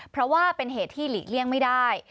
เพราะว่าเป็นเหตุที่หลีกเลี่ยงไม่ได้